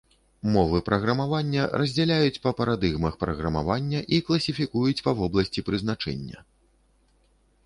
Мовы праграмавання раздзяляюць па парадыгмах праграмавання і класіфікуюць па вобласці прызначэння.